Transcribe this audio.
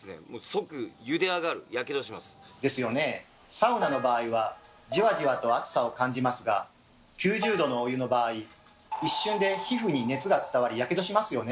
サウナの場合はじわじわと暑さを感じますが９０℃のお湯の場合一瞬で皮膚に熱が伝わりヤケドしますよね。